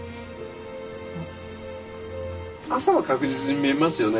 朝は確実に見えますよね？